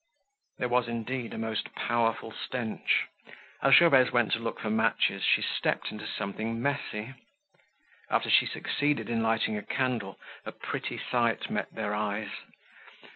There was indeed a most powerful stench. As Gervaise went to look for matches, she stepped into something messy. After she succeeded in lighting a candle, a pretty sight met their eyes.